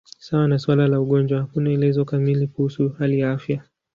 Sawa na suala la ugonjwa, hakuna elezo kamili kuhusu hali ya afya.